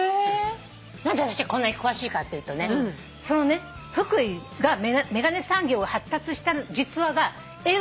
何で私がこんなに詳しいかっていうとね福井が眼鏡産業が発達した実話が映画化されたんですよ。